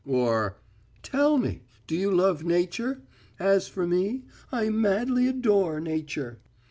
Or: "Tell me, do you love Nature? As for me, I madly adore Nature."